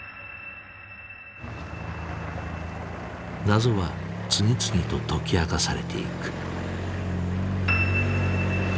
謎は次々と解き明かされていく。